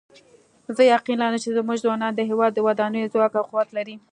زه یقین لرم چې زموږ ځوانان د هیواد د ودانولو ځواک او قوت لري